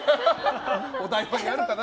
お台場にあるかな。